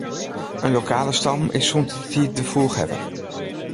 In lokale stam is sûnt dy tiid de foechhawwer.